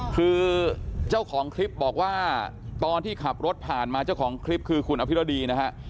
คือเจ้าของคลิปบอกว่าตอนที่ขับรถผ่านมาเจ้าของคลิปคือคุณอภิรดีนะฮะ